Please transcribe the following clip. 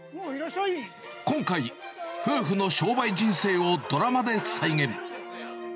今回、夫婦の商売人生をドラマで再現。